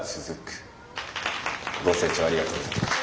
ごせいちょうありがとうございました。